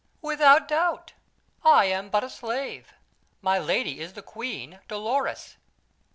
"Without doubt. I am but a slave, my lady is the queen, Dolores."